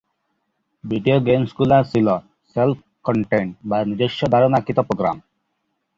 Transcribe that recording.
Video games গুলো ছিল self contained বা নিজস্ব-ধারনকৃত প্রোগ্রাম।